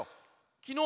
きのう